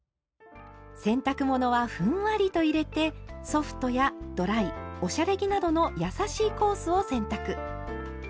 洗濯物はふんわりと入れて「ソフト」や「ドライ」「おしゃれ着」などのやさしいコースを選択。